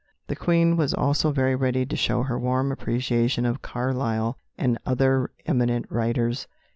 The Queen was also very ready to show her warm appreciation of Carlyle and other eminent writers.